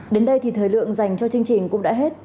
đến đây thì thời lượng dành cho chương trình cũng đã hết